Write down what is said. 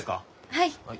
はい。